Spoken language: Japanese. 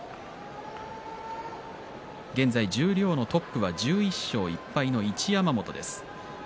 現在、十両のトップは１１勝１敗の一山本です。